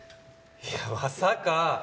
いやまさか！